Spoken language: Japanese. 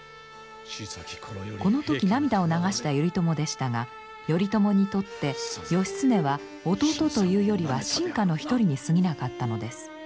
この時涙を流した頼朝でしたが頼朝にとって義経は弟というよりは臣下の一人にすぎなかったのです。